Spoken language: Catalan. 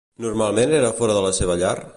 Normalment era fora de la seva llar?